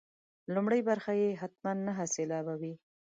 لومړۍ برخه یې حتما نهه سېلابه وي.